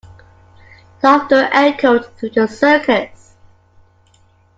Laughter echoed through the circus.